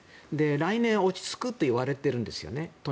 来年落ち着くといわれているんですね。